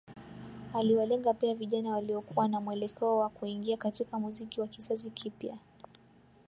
Aliwalenga pia vijana waliokuwa na mwelekeo wa kuingia katika muziki wa kizazi kipya